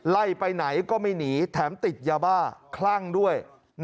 ไปไหนก็ไม่หนีแถมติดยาบ้าคลั่งด้วย